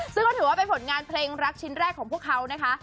ซึ่งก็ถือว่าเป็นผลงานเพลงรักชิ้นแรกของพวกเขานะคะ